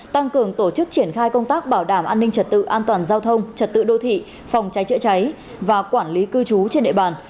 tăng cường tổ chức triển khai công tác bảo đảm an ninh trật tự an toàn giao thông trật tự đô thị phòng cháy chữa cháy và quản lý cư trú trên địa bàn